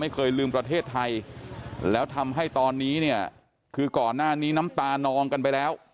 เคยลืมประเทศไทยแล้วทำให้ตอนนี้เนี่ยคือก่อนหน้านี้น้ำตานองกันไปแล้ว